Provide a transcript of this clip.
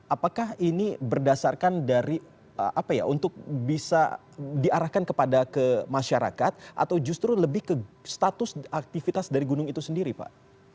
apakah ini berdasarkan dari apa ya untuk bisa diarahkan kepada ke masyarakat atau justru lebih ke status aktivitas dari gunung itu sendiri pak